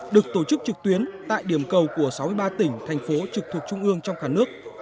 được tổ chức trực tuyến tại điểm cầu của sáu mươi ba tỉnh thành phố trực thuộc trung ương trong cả nước